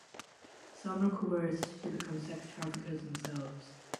Some are coerced to become sex traffickers themselves.